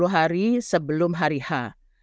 tiga puluh hari sebelum hari ha